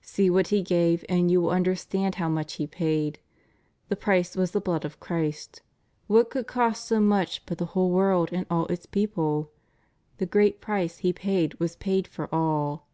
See what He gave and you will understand how much He paid. The price was the blood of Christ What could cost so much but the whole world, and all its people? The great price He paid was paid for all."